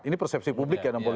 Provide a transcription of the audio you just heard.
ini persepsi publik ya